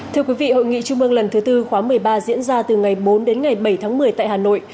thưa quý vị hội nghị trung mương lần thứ tư khóa một mươi ba diễn ra từ ngày bốn đến ngày bảy tháng một mươi tại hà nội